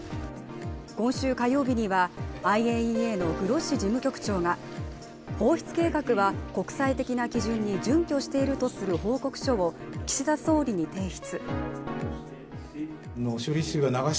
今週火曜日にはＩＡＥＡのグロッシ事務局長が放出計画は国際的な基準に準拠しているとする報告書を岸田総理に提出。